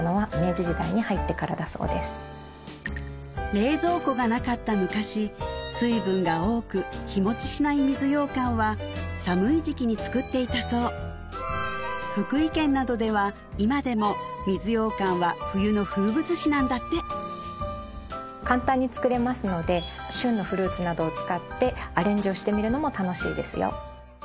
冷蔵庫がなかった昔水分が多く日持ちしない水ようかんは寒い時期に作っていたそう福井県などでは今でも水ようかんは冬の風物詩なんだって簡単に作れますので旬のフルーツなどを使ってアレンジをしてみるのも楽しいですよ